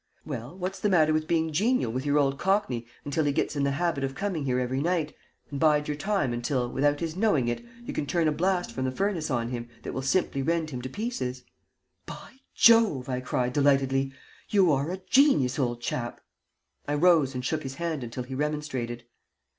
"Well, what's the matter with being genial with your old cockney until he gets in the habit of coming here every night, and bide your time until, without his knowing it, you can turn a blast from the furnace on him that will simply rend him to pieces?" "By Jove!" I cried, delightedly. "You are a genius, old chap." I rose and shook his hand until he remonstrated.